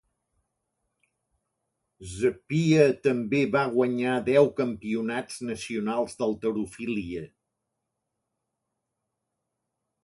Zappia també va guanyar deu campionats nacionals d'halterofília.